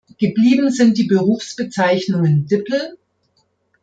Geblieben sind die Berufsbezeichnungen "Dipl.